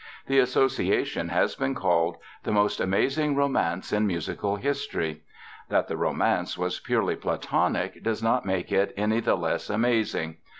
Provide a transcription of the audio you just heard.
The association has been called "the most amazing romance in musical history." That the "romance" was purely platonic does not make it any the less "amazing."